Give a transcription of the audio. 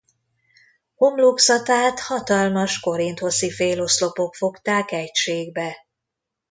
Homlokzatát hatalmas korinthoszi féloszlopok fogták egységbe.